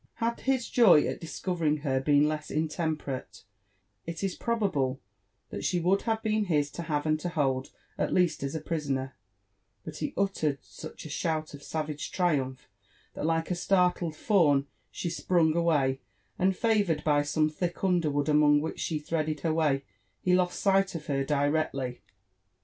Had his joy at discovering her been less intemperate, it is probable that she would have been hi6 to have and to hold, at least as a prisoner ; but he uttered such a shout of savage triumph, that like a startled fawn she sprung away, and favoured by some thick underwood amoog which she threaded her way, he lost sight of her directly.